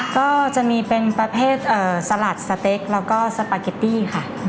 ก็จะมีเป็นประเภทสลัดสเต็กแล้วก็สปาเกตตี้ค่ะ